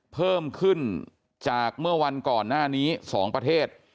เพิ่มขึ้นจากเมื่อวันก่อนหน้านี้๒ประเทศ